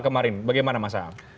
kemarin bagaimana mas am